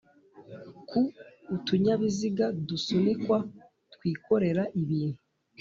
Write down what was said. ku utunyabiziga dusunikwa twikorera ibintu